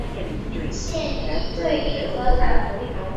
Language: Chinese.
现已退隐歌坛。